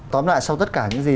tóm lại sau tất cả những gì